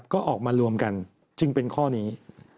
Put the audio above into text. ก็ออกมารวมกันจึงเป็นข้อนี้